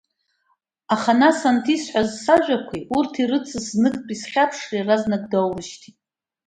Аха нас анҭ исҳәаз сажәақәеи, урҭ ирыцыз зныктәи схьаԥшреи, иаразнак доурышьҭит.